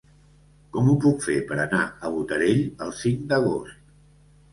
Com ho puc fer per anar a Botarell el cinc d'agost?